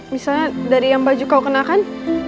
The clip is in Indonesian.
misalnya dari yang baju kau kenakan